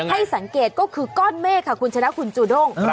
ให้สังเกตก็คือก้อนเมฆค่ะคุณชนะคุณจูด้ง